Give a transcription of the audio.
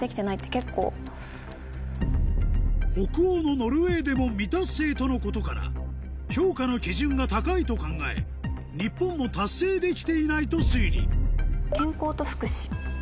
北欧のノルウェーでも未達成とのことから評価の基準が高いと考え日本も達成できていないと推理「健康と福祉」。